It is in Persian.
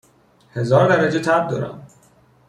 هزار درجه تب دارم